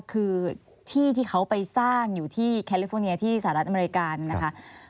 คือที่ที่เขาไปสร้างอยู่ที่แคลิฟอร์เนียที่สหรัฐอเมริกานะคะ